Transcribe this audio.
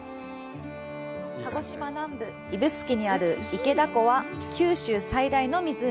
鹿児島南部、指宿にある池田湖は九州最大の湖。